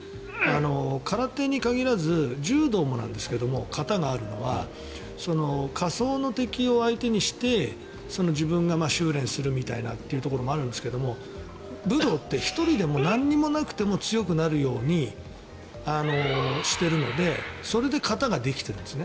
空手に限らず柔道もなんですけど形があるのは仮想の敵を相手にして自分が修練するみたいなところがあるんですけど武道って１人でも何もなくても強くなるようにしてるのでそれで形ができてるんですね。